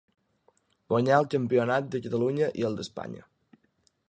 Guanyà el campionat de Catalunya i el d'Espanya.